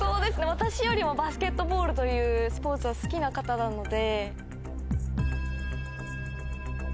私よりもバスケットボールというスポーツは好きな方なので。